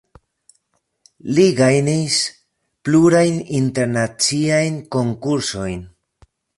Li gajnis plurajn internaciajn konkursojn.